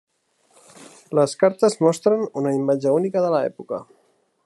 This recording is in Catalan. Les cartes mostren una imatge única de l'època.